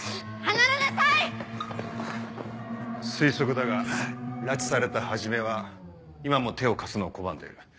推測だが拉致された始は今も手を貸すのを拒んでる。